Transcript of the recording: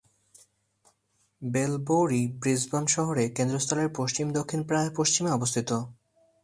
বেলবোউরি Brisbane শহরের কেন্দ্রস্থলের পশ্চিম-দক্ষিণ-পশ্চিমে অবস্থিত।